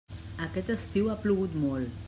Aquest estiu ha plogut molt.